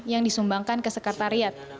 yang disumbangkan ke sekretariat